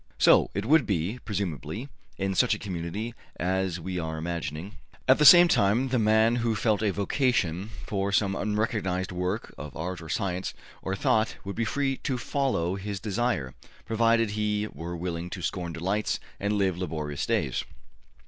So it would be, presumably, in such a community as we are imagining. At the same time, the man who felt a vocation for some unrecognized work of art or science or thought would be free to follow his desire, provided he were willing to ``scorn delights and live laborious days.''